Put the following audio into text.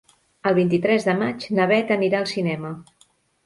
El vint-i-tres de maig na Bet anirà al cinema.